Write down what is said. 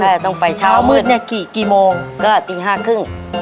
ใช่ต้องไปเช้ามืดเช้ามืดเนี้ยกี่กี่โมงก็ตีห้าครึ่ง